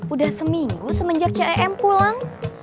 udah seminggu semenjak cem pulang